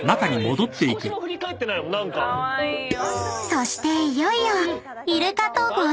［そしていよいよ］